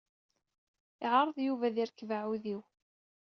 Iɛreḍ Yuba ad irkeb aɛewdiw.